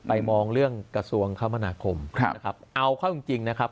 ไปมองเรื่องกระทรวงสาธารณสุขครับเอาเขาจริงจริงนะครับ